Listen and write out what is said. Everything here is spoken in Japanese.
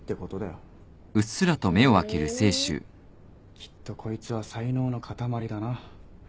きっとこいつは才能のかたまりだな。